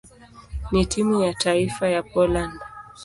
na timu ya taifa ya Poland.